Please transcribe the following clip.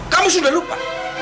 kamu sudah lupa